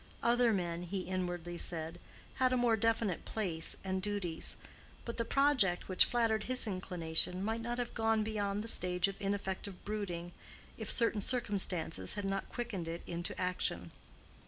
Other men, he inwardly said, had a more definite place and duties. But the project which flattered his inclination might not have gone beyond the stage of ineffective brooding, if certain circumstances had not quickened it into action.